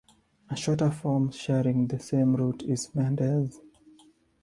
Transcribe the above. A shorter form sharing the same root is Mendez.